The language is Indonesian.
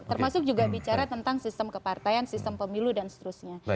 termasuk juga bicara tentang sistem kepartaian sistem pemilu dan seterusnya